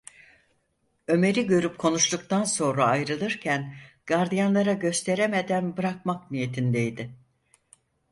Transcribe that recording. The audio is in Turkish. Ömer’i görüp konuştuktan sonra ayrılırken, gardiyanlara gösteremeden, bırakmak niyetindeydi.